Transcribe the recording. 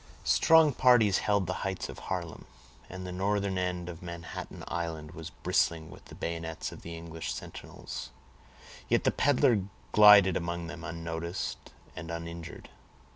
Strong parties held the heights of Harlem, and the northern end of Manhattan Island was bristling with the bayonets of the English sentinels, yet the peddler glided among them unnoticed and uninjured.